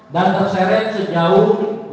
dan terseret sejauh